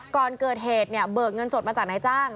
ก่อนเกิดเหตุเนี่ยเบิกเงินสดมาจากนายจ้าง